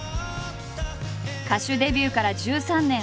歌手デビューから１３年。